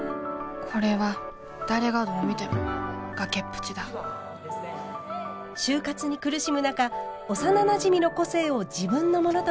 これは誰がどう見ても崖っぷちだ就活に苦しむ中幼なじみの個性を自分のものとして偽った主人公。